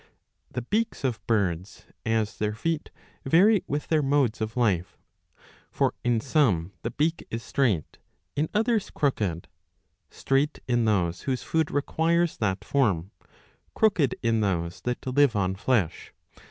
The beaks of birds, as their feet, vary with their modes of life. For in some the beak is straight, in others crooked ; straight, in those whose food requires that form ; crooked, in those that live on flesh.